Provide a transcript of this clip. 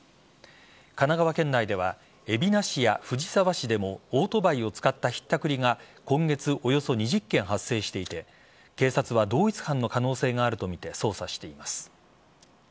神奈川県内では海老名市や藤沢市でもオートバイを使ったひったくりが今月およそ２０件発生していて警察は同一犯の可能性があるとみて捜査しています。